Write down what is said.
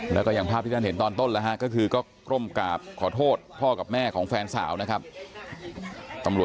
และอย่างภาพที่ท่านเห็นตอนต้นก็คือกล้มกราบขอโทษพ่อกับแม่ของแฟนสาว